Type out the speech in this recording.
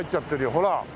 ほら。